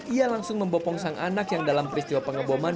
ia langsung membopong sang anak yang dalam peristiwa pengeboman